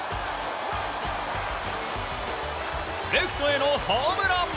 レフトへのホームラン！